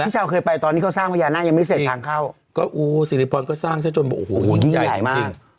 พี่เจ้าเคยไปตอนนี้เขาสร้างพญานาคยังไม่เสร็จทางเข้า